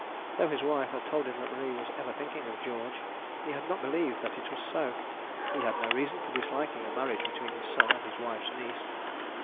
Though his wife had told him that Marie was ever thinking of George, he had not believed that it was so. He had no reason for disliking a marriage between his son and his wife's niece.